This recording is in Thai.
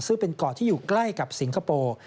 ซึ่งเป็นเกาะที่อยู่ใกล้กับสิงคโปร์